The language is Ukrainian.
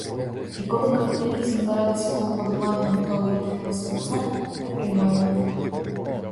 І коли капіталізм заради свого панування готовий іти на все це, ми приймаємо.